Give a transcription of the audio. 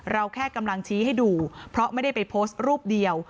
แค่กำลังชี้ให้ดูเพราะไม่ได้ไปโพสต์รูปเดียว